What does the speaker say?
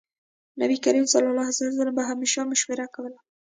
نبي کريم ص به همېش مشوره کوله.